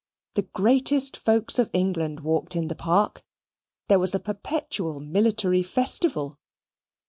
The greatest folks of England walked in the Park there was a perpetual military festival.